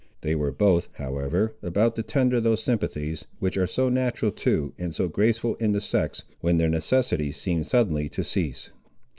They were both, however, about to tender those sympathies, which are so natural to, and so graceful in the sex, when their necessity seemed suddenly to cease.